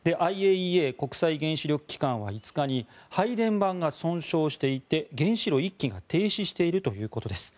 ＩＡＥＡ・国際原子力機関は５日に配電盤が損傷していて原子炉１基が停止しているということです。